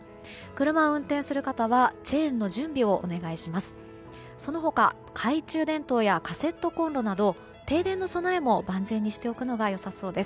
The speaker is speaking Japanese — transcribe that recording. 車を運転する方はチェーンの準備をお願いします。